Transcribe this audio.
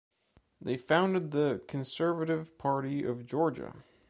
They founded the "Conservative Party of Georgia".